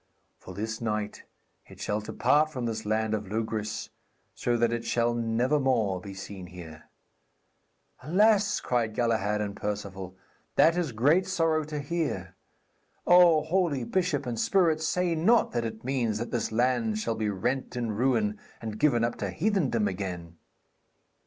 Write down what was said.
'For this night it shall depart from this land of Logris, so that it shall never more be seen here. 'Alas,' cried Galahad and Perceval, 'that is great sorrow to hear. O holy bishop and spirit, say not that it means that this land shall be rent in ruin and given up to heathendom again?'